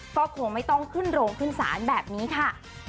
ก็คงไม่ต้องขึ้นโรงขึ้นศาลแบบนี้ค่ะ